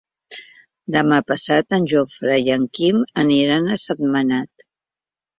Demà passat en Jofre i en Quim aniran a Sentmenat.